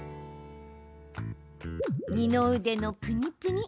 二の腕のぷにぷに。